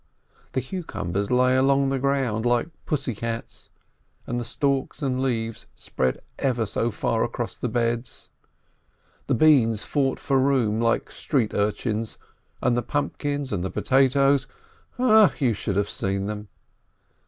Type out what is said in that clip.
The cucumbers lay along the ground like pussy cats, and the stalks and leaves spread ever so far across the beds. The beans fought for room like street urchins, and the pumpkins and the potatoes — you should have seen them!